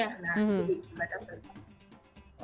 nah jadi mereka sering makan